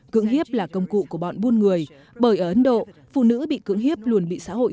cưỡng hiếp là công cụ của bọn buôn người bởi ở ấn độ phụ nữ bị cưỡng hiếp luôn bị xã hội